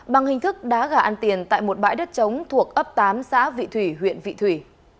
bằng hình thức đá gà ăn tiền tại một bãi đất trống thuộc ấp tám xã vị thủy huyện vị thủy